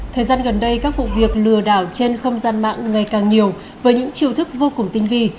thời gian gần đây các vụ việc lừa đảo trên không gian mạng ngày càng nhiều với những chiêu thức vô cùng tinh vi